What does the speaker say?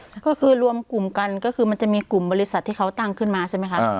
ก็คือรวมกลุ่มกันก็คือมันจะมีกลุ่มบริษัทที่เขาตั้งขึ้นมาใช่ไหมคะ